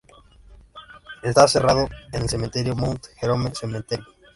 Está enterrado en el cementerio Mount Jerome Cemetery.